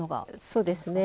そうですね。